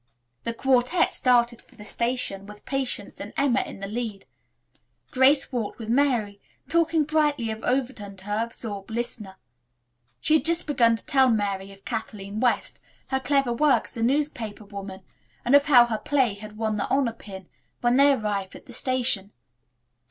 The quartette started for the station with Patience and Emma in the lead. Grace walked with Mary, talking brightly of Overton to her absorbed listener. She had just begun to tell Mary of Kathleen West, her clever work as a newspaper woman and of how her play had won the honor pin, when they arrived at the station.